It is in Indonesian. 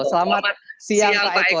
selamat siang pak eko